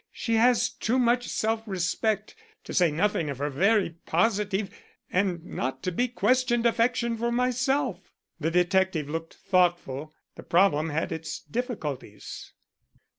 She has too much self respect; to say nothing of her very positive and not to be questioned affection for myself." The detective looked thoughtful. The problem had its difficulties.